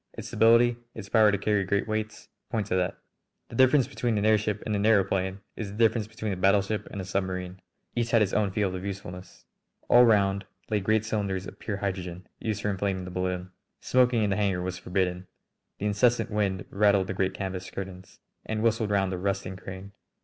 Its stability, its power to carry great weights, point to that. The difference between an airship and an aëroplane is the difference between a battleship and a submarine. Each has its own field of usefulness." All round lay great cylinders of pure hydrogen, used for inflating the balloon. Smoking in the hangar was forbidden. The incessant wind rattled the great canvas curtains and whistled round the rusting crane.